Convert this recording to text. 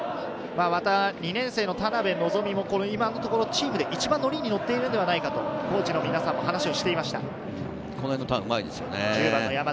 また２年生の田邉望もチームで一番、のりにのっているんではないかとコーチの皆さんも話をしていました。